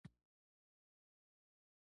اخلاق شتمني ده دا لویه او غوره شتمني ده.